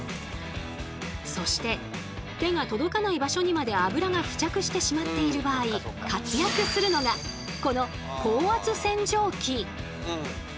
そして手が届かない場所にまであぶらが付着してしまっている場合活躍するのがこの高圧洗浄機！